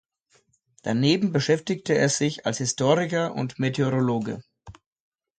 Daneben beschäftigte er sich als Historiker und Meteorologe.